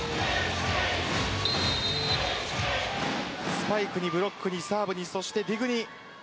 スパイクにブロックにサーブにそしてディグに。